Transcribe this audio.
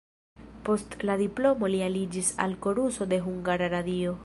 Post la diplomo li aliĝis al koruso de Hungara Radio.